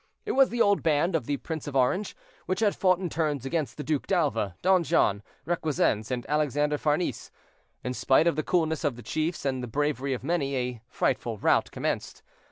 It was the old band of the Prince of Orange, which had fought in turns against the Duc d'Alva, Don John, Requesens, and Alexander Farnese. In spite of the coolness of the chiefs and the bravery of many, a frightful rout commenced.